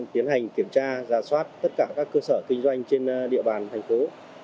tiến hành kiểm tra ra soát tất cả các cơ sở kinh doanh trên địa bàn thành phố